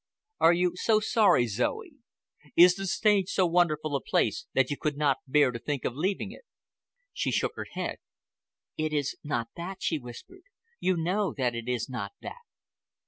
"Are you so sorry, Zoe? Is the stage so wonderful a place that you could not bear to think of leaving it?" She shook her head. "It is not that," she whispered. "You know that it is not that."